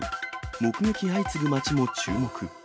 目撃相次ぐ町も注目。